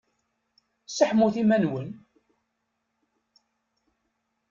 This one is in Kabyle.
Seḥmut iman-nwen!